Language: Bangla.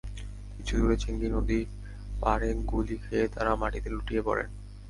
কিছু দূরে চেঙ্গী নদীর পাড়ে গুলি খেয়ে তাঁরা মাটিতে লুটিয়ে পড়েন।